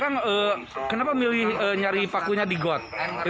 akang kenapa nyari pakunya di got